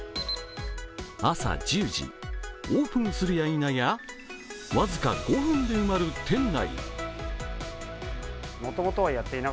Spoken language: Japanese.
朝１０時、オープンするやいなや僅か５分で埋まる店内。